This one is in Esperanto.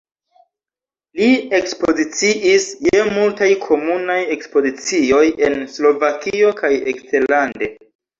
Li ekspoziciis je multaj komunaj ekspozicioj en Slovakio kaj eksterlande.